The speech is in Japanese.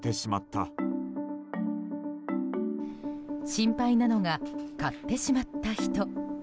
心配なのが買ってしまった人。